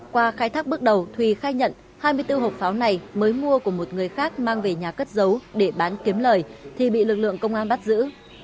qua khai thác bước đầu thùy khai nhận hai mươi bốn hộp pháo này mới mua của một người khác mang về nhà cất giấu để bán kiếm lời thì bị lực lượng công an bắt giữ